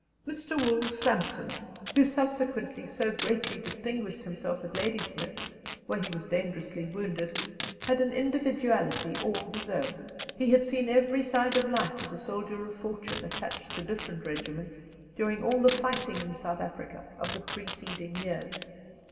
Mr. Wools Sampson, who subsequently so greatly distinguished himself at Ladysmith, where he was dangerously wounded, had an individuality all his own; he had seen every side of life as a soldier of fortune, attached to different regiments, during all the fighting in South Africa of the preceding years.